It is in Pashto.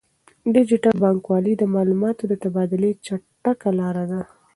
ډیجیټل بانکوالي د معلوماتو د تبادلې چټکه لاره ده.